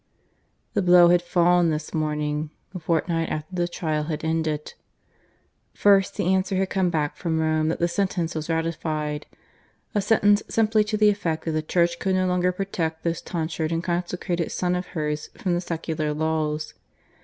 The blow had fallen this morning a fortnight after the trial had ended. First, the answer had come back from Rome that the sentence was ratified a sentence simply to the effect that the Church could no longer protect this tonsured and consecrated son of hers from the secular laws.